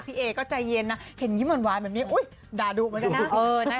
พี่เอ๊ก็ใจเย็นนะเห็นยิ้มหวานแบบนี้ด่าดูมันก็ได้นะ